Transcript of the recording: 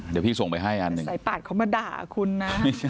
เดี๋ยวพี่ส่งไปให้อันหนึ่งสายปาดเขามาด่าคุณนะ